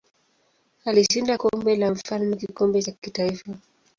Alishinda Kombe la Mfalme kikombe cha kitaifa.